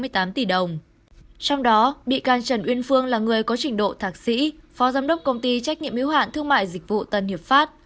trong đó bị can trần uyên phương là người có trình độ thạc sĩ phó giám đốc công ty trách nhiệm hiếu hạn thương mại dịch vụ tân hiệp pháp